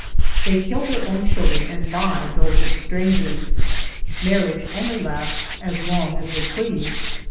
They kill their own chil dren and buy those of strangers. Marriage only lasts as long as they please.